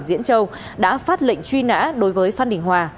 diễn châu đã phát lệnh truy nã đối với phan đình hòa